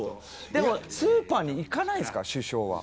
スーパーに行かないんですか首相は。